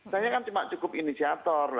saya kan cuma cukup inisiator